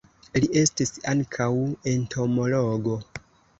Li estis ankaŭ entomologo.